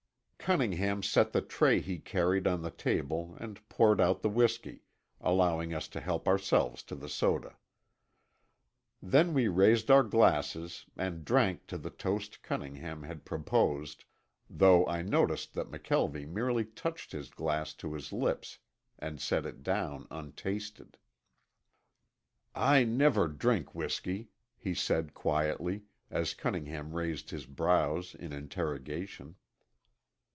Cunningham set the tray he carried on the table and poured out the whisky, allowing us to help ourselves to the soda. Then we raised our glasses and drank to the toast Cunningham had proposed, though I noticed that McKelvie merely touched his glass to his lips and set it down untasted. "I never drink whisky," he said quietly, as Cunningham raised his brows in interrogation.